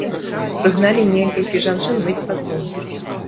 Прыгналі некалькі жанчын мыць падлогу.